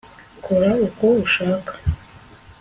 kora uko ushaka